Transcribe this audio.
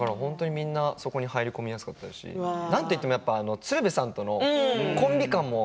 入り込みやすかったし何といっても鶴瓶さんとのコンビ感も。